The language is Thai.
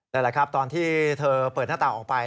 แล้วละครับตอนที่เธอเปิดหน้าตาออกไป